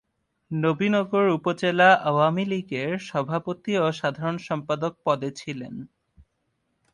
নবীনগর উপজেলা আওয়ামী লীগের সভাপতি ও সাধারণ সম্পাদক পদে ছিলেন।